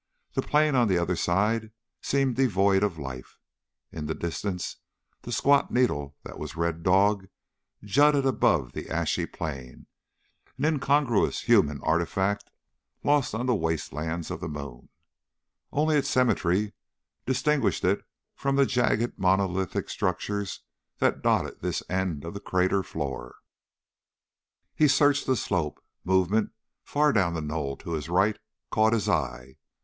The plain on the other side seemed devoid of life. In the distance the squat needle that was Red Dog jutted above the ashy plain, an incongruous human artifact lost on the wastelands of the moon. Only its symmetry distinguished it from the jagged monolithic structures that dotted this end of the crater floor. He searched the slope. Movement far down the knoll to his right caught his eye.